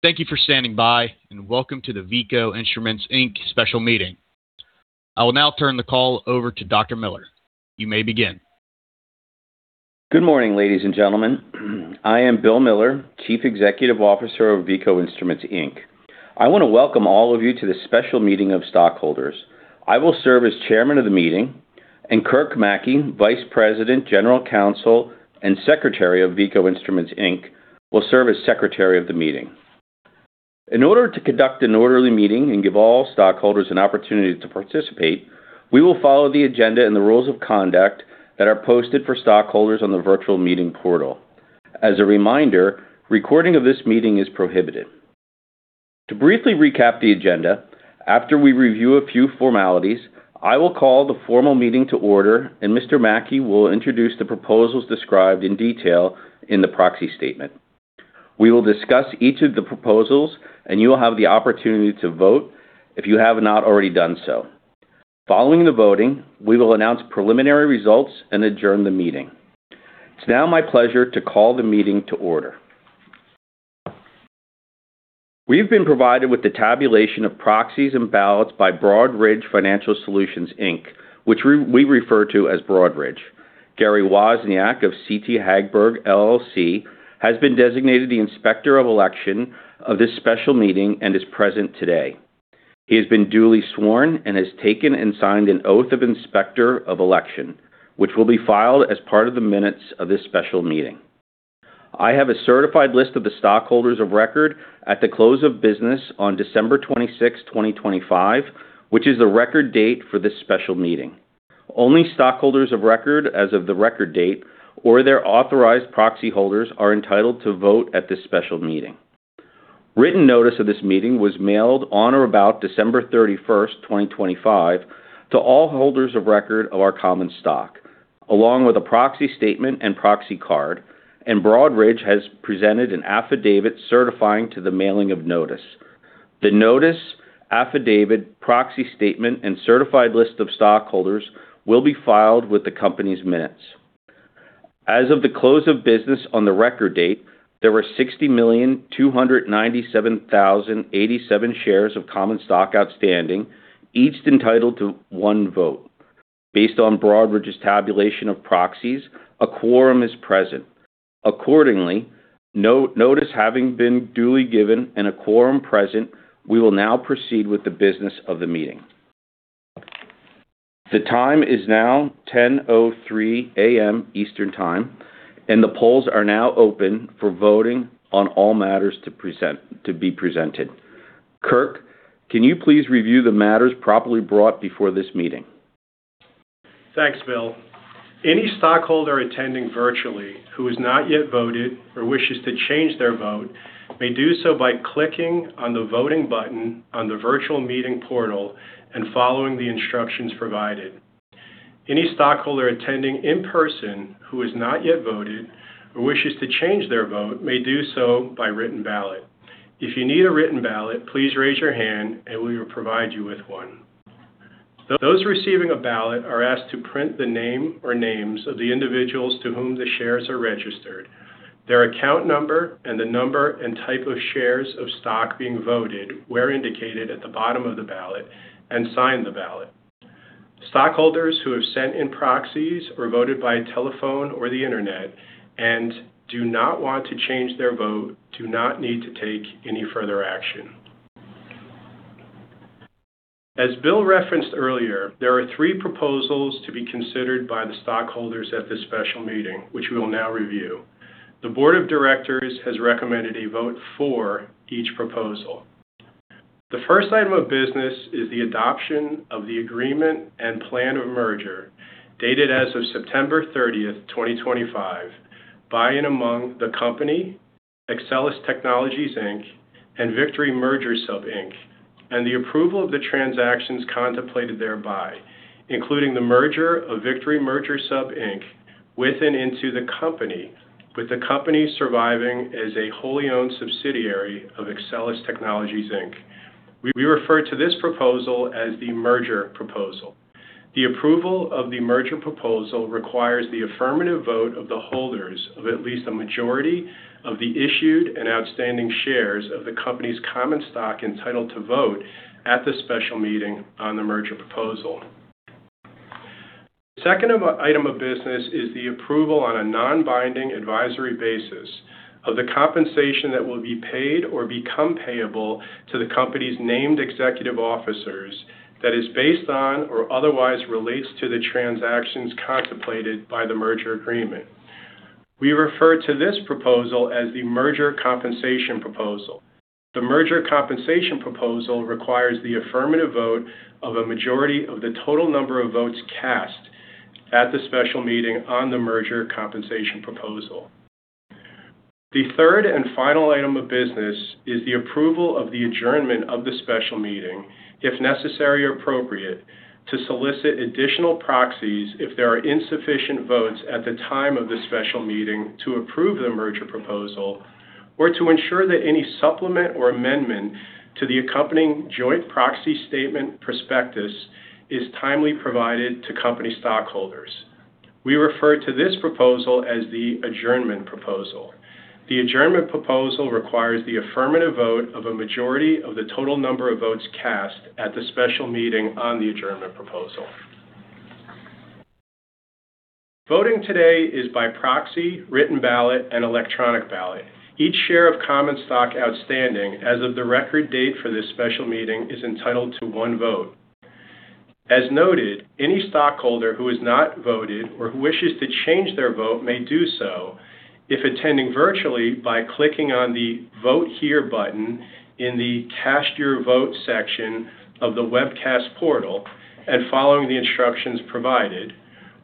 Thank you for standing by and welcome to the Veeco Instruments Inc. special meeting. I will now turn the call over to Dr. Miller. You may begin. Good morning, ladies and gentlemen. I am Bill Miller, Chief Executive Officer of Veeco Instruments Inc. I want to welcome all of you to this special meeting of stockholders. I will serve as chairman of the meeting, and Kirk Mackey, Vice President, General Counsel, and Secretary of Veeco Instruments Inc., will serve as Secretary of the meeting. In order to conduct an orderly meeting and give all stockholders an opportunity to participate, we will follow the agenda and the rules of conduct that are posted for stockholders on the virtual meeting portal. As a reminder, recording of this meeting is prohibited. To briefly recap the agenda: after we review a few formalities, I will call the formal meeting to order, and Mr. Mackey will introduce the proposals described in detail in the proxy statement. We will discuss each of the proposals, and you will have the opportunity to vote if you have not already done so. Following the voting, we will announce preliminary results and adjourn the meeting. It's now my pleasure to call the meeting to order. We've been provided with the tabulation of proxies and ballots by Broadridge Financial Solutions, Inc., which we refer to as Broadridge. Gary Wozniak of CT Hagberg, LLC, has been designated the inspector of election of this special meeting and is present today. He has been duly sworn and has taken and signed an oath of inspector of election, which will be filed as part of the minutes of this special meeting. I have a certified list of the stockholders of record at the close of business on December 26, 2025, which is the record date for this special meeting. Only stockholders of record as of the record date or their authorized proxy holders are entitled to vote at this special meeting. Written notice of this meeting was mailed on or about December 31, 2025, to all holders of record of our common stock, along with a proxy statement and proxy card, and Broadridge has presented an affidavit certifying to the mailing of notice. The notice, affidavit, proxy statement, and certified list of stockholders will be filed with the company's minutes. As of the close of business on the record date, there were 60,297,087 shares of common stock outstanding, each entitled to one vote. Based on Broadridge's tabulation of proxies, a quorum is present. Accordingly, notice having been duly given and a quorum present, we will now proceed with the business of the meeting. The time is now 10:03 A.M. Eastern Time, and the polls are now open for voting on all matters to be presented. Kirk, can you please review the matters properly brought before this meeting? Thanks, Bill. Any stockholder attending virtually who has not yet voted or wishes to change their vote may do so by clicking on the voting button on the virtual meeting portal and following the instructions provided. Any stockholder attending in person who has not yet voted or wishes to change their vote may do so by written ballot. If you need a written ballot, please raise your hand, and we will provide you with one. Those receiving a ballot are asked to print the name or names of the individuals to whom the shares are registered, their account number, and the number and type of shares of stock being voted where indicated at the bottom of the ballot, and sign the ballot. Stockholders who have sent in proxies or voted by telephone or the internet and do not want to change their vote do not need to take any further action. As Bill referenced earlier, there are three proposals to be considered by the stockholders at this special meeting, which we will now review. The board of directors has recommended a vote for each proposal. The first item of business is the adoption of the Agreement and Plan of Merger dated as of September 30, 2025, by and among the company, Axcelis Technologies, Inc., and Victory Merger Sub, Inc., and the approval of the transactions contemplated thereby, including the merger of Victory Merger Sub, Inc., with and into the company, with the company surviving as a wholly owned subsidiary of Axcelis Technologies, Inc. We refer to this proposal as the Merger Proposal. The approval of the merger proposal requires the affirmative vote of the holders of at least a majority of the issued and outstanding shares of the company's common stock entitled to vote at the special meeting on the merger proposal. The second item of business is the approval on a non-binding advisory basis of the compensation that will be paid or become payable to the company's named executive officers that is based on or otherwise relates to the transactions contemplated by the merger agreement. We refer to this proposal as the merger compensation proposal. The merger compensation proposal requires the affirmative vote of a majority of the total number of votes cast at the special meeting on the merger compensation proposal. The third and final item of business is the approval of the adjournment of the special meeting, if necessary or appropriate, to solicit additional proxies if there are insufficient votes at the time of the special meeting to approve the merger proposal or to ensure that any supplement or amendment to the accompanying joint proxy statement prospectus is timely provided to company stockholders. We refer to this proposal as the adjournment proposal. The adjournment proposal requires the affirmative vote of a majority of the total number of votes cast at the special meeting on the adjournment proposal. Voting today is by proxy, written ballot, and electronic ballot. Each share of common stock outstanding as of the record date for this special meeting is entitled to one vote. As noted, any stockholder who has not voted or who wishes to change their vote may do so if attending virtually by clicking on the "Vote Here" button in the "Cast Your Vote" section of the webcast portal and following the instructions provided,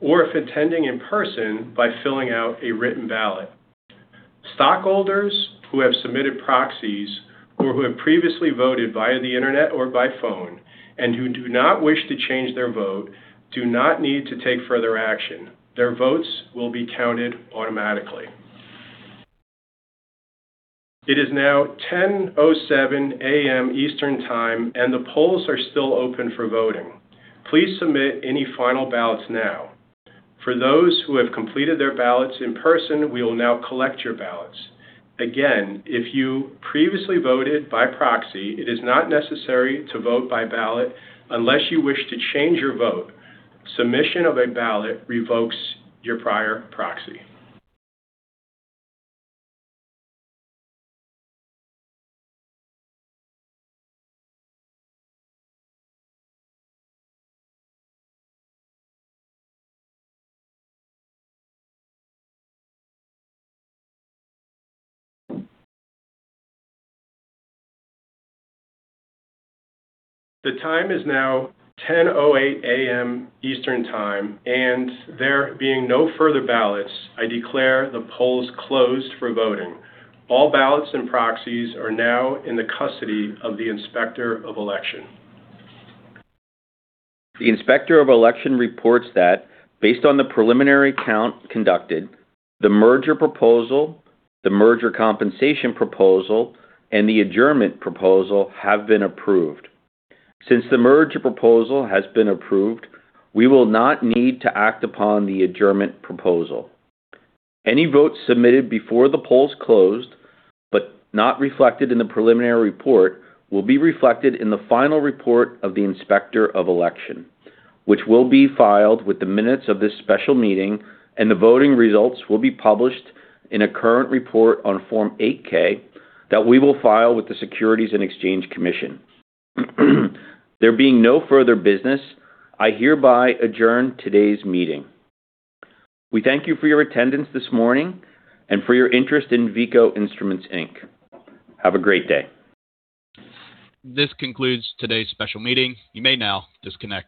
or if attending in person by filling out a written ballot. Stockholders who have submitted proxies or who have previously voted via the internet or by phone and who do not wish to change their vote do not need to take further action. Their votes will be counted automatically. It is now 10:07 A.M. Eastern Time, and the polls are still open for voting. Please submit any final ballots now. For those who have completed their ballots in person, we will now collect your ballots. Again, if you previously voted by proxy, it is not necessary to vote by ballot unless you wish to change your vote. Submission of a ballot revokes your prior proxy. The time is now 10:08 A.M. Eastern Time, and there being no further ballots, I declare the polls closed for voting. All ballots and proxies are now in the custody of the inspector of election. The inspector of election reports that, based on the preliminary count conducted, the merger proposal, the merger compensation proposal, and the adjournment proposal have been approved. Since the merger proposal has been approved, we will not need to act upon the adjournment proposal. Any votes submitted before the polls closed but not reflected in the preliminary report will be reflected in the final report of the inspector of election, which will be filed with the minutes of this special meeting, and the voting results will be published in a current report on Form 8-K that we will file with the Securities and Exchange Commission. There being no further business, I hereby adjourn today's meeting. We thank you for your attendance this morning and for your interest in Veeco Instruments, Inc. Have a great day. This concludes today's special meeting. You may now disconnect.